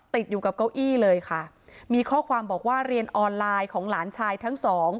ติดอยู่กับเก้าอี้เลยค่ะมีข้อความบอกว่าเรียนออนไลน์ของหลานชายทั้งสอง